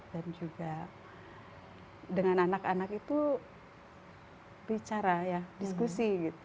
dan juga dengan anak anak itu bicara diskusi